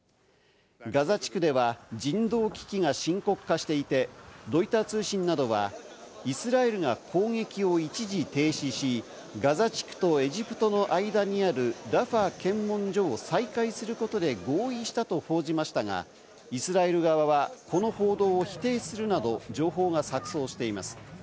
ガザ地区では人道危機が深刻化していて、ロイター通信などはイスラエルが攻撃を一時停止し、ガザ地区とエジプトの間にあるラファ検問所を再開することで合意したと報じましたが、イスラエル側はこの報道を否定するなど情報が錯綜しています。